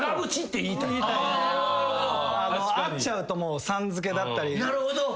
会っちゃうとさん付けだったり。